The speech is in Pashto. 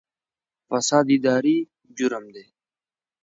فساد اداري جرم دی